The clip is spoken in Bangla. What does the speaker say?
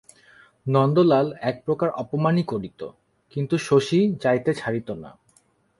নন্দলাল একপ্রকার অপমানই করিত, কিন্তু শশী যাইতে ছাড়িত না।